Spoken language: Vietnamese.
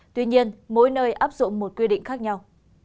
tuy nhiên mỗi nơi áp dụng một quy định khác nhau